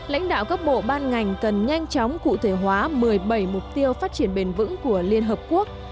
lãnh đạo các bộ ban ngành cần nhanh chóng cụ thể hóa một mươi bảy mục tiêu phát triển bền vững của liên hợp quốc